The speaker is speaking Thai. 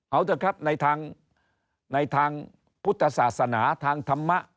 เอาเถอะครับในทางพุทธศาสนาทางธรรมะ